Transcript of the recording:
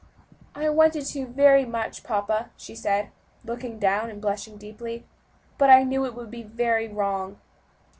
"I wanted to very much, papa," she said, looking down and blushing deeply, "but I knew it would be very wrong."